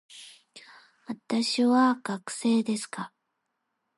私は学生ですが、